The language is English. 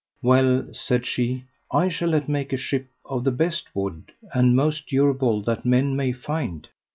Well, said she, I shall let make a ship of the best wood and most durable that men may find.